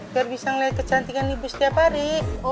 biar bisa melihat kecantikan ibu setiap hari